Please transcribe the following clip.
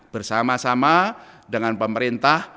bersama sama dengan pemerintah